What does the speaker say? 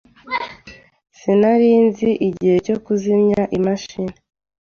Sinari nzi igihe cyo kuzimya imashini.